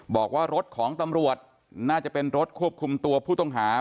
บอกว่ารถของตำรวจน่าจะเป็นรถควบคุมตัวผู้ต้องหา